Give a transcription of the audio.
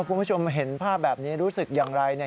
คุณผู้ชมเห็นภาพแบบนี้รู้สึกอย่างไรเนี่ย